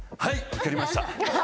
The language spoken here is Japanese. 分かりました。